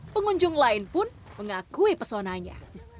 pengunjung lain pun mengakui pesonanya